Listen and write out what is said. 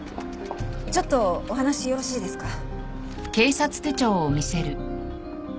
ちょっとお話よろしいですか？